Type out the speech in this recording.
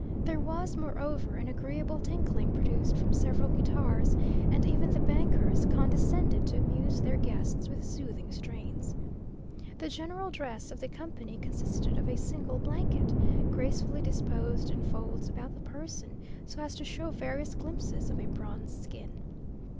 There was, moreover, an agreeable tinkling produced from several guitars, and even the bankers condescended to amuse their guests with soothing strains. The general dress of the company consisted of a single blanket, gracefully disposed in folds about the person; so as to show various glimpses of a bronze skin.